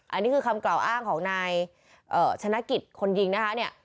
อันนี้คือคำกล่าวอ้างของนายชนะกิจคนยิงนะคะเนี่ย